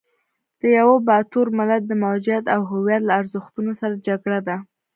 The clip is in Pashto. د یوه باتور ملت د موجودیت او هویت له ارزښتونو سره جګړه ده.